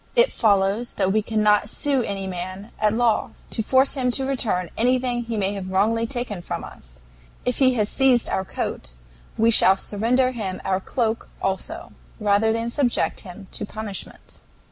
It follows that we cannot sue any man at law to force him to return anything he may have wrongly taken from us; if he has seized our coat, we shall surrender him our cloak also rather than subject him to punishment.